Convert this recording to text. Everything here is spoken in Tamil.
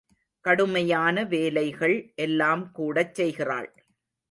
கடுமையான வேலைகள் எல்லாம் கூடச் செய்கிறாள்.